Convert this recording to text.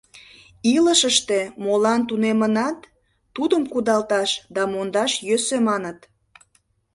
Илышыште молан тунемынат — тудым кудалташ да мондаш йӧсӧ, маныт...